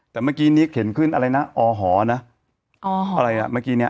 แต่เมื่อกี้นี้เข็นขึ้นอะไรนะอหอนะอ๋อหออะไรอ่ะเมื่อกี้เนี้ย